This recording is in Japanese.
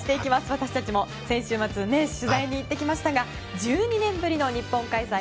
私たちも先週末、取材に行ってきましたが１２年ぶりの日本開催